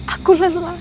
aku lelah sekali